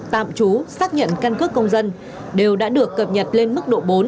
tạm trú xác nhận căn cước công dân đều đã được cập nhật lên mức độ bốn